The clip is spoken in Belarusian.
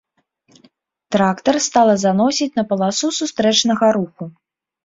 Трактар стала заносіць на паласу сустрэчнага руху.